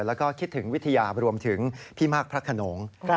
แล้วก็คิดถึงวิทยารวมถึงพี่มากพระขนง